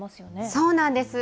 そうなんです。